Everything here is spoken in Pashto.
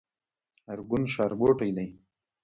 ارګون ښارګوټی دی؟